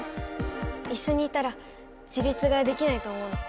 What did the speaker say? いっしょにいたら自立ができないと思うの。